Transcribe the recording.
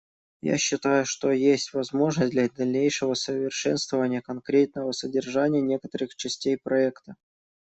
Я считаю, что есть возможность для дальнейшего совершенствования конкретного содержания некоторых частей проекта.